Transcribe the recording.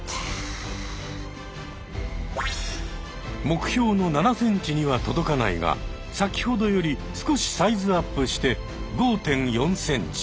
目標の７ｃｍには届かないがさきほどより少しサイズアップして５．４ｃｍ。